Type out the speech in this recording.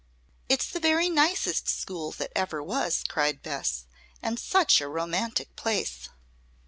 "It's the very nicest school that ever was," cried Bess. "And such a romantic place."